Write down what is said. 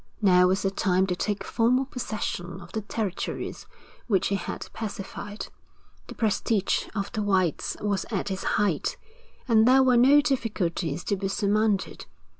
Now was the time to take formal possession of the territories which he had pacified: the prestige of the whites was at its height, and there were no difficulties to be surmounted.